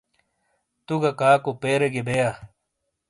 تو گہ کاکو پیرے گے بےیا۔